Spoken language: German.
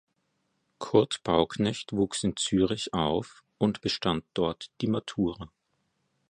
Kurt Bauknecht wuchs in Zürich auf und bestand dort die Matura.